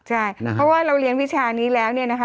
ใช่เพราะว่าเราเรียนวิชานี้แล้วเนี่ยนะคะ